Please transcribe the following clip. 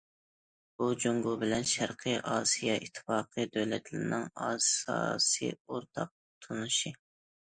بۇ جۇڭگو بىلەن شەرقىي ئاسىيا ئىتتىپاقى دۆلەتلىرىنىڭ ئاساسىي ئورتاق تونۇشى.